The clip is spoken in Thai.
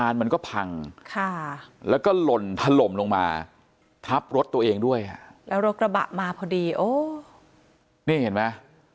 ชนลงมาทับรถตัวเองด้วยแล้วรถกระบะมาพอดีโอ้นี่เห็นมั้ย